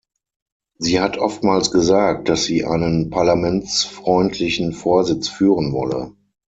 Sie hat oftmals gesagt, dass sie einen parlamentsfreundlichen Vorsitz führen wolle.